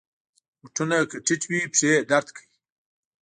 بوټونه که ټیټ وي، پښې درد کوي.